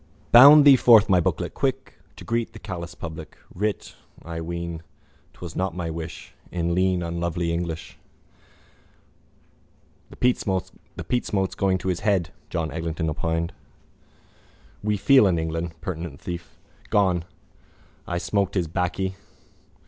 Bound thee forth, my booklet, quick To greet the callous public. Writ, I ween, 'twas not my wish In lean unlovely English. —The peatsmoke is going to his head, John Eglinton opined. We feel in England. Penitent thief. Gone. I smoked his baccy.